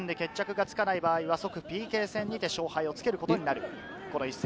８０分で決着がつかない場合は即ＰＫ戦にて勝敗をつけることになる、この一戦。